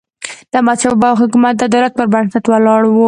د احمدشاه بابا حکومت د عدالت پر بنسټ ولاړ و.